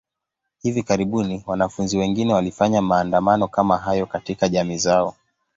Hivi karibuni, wanafunzi wengine walifanya maandamano kama hayo katika jamii zao.